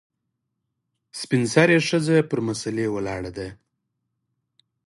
سپین سرې ښځه پر مسلې ولاړه ده .